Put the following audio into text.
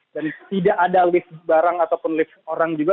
dan tidak ada lift barang ataupun lift orang juga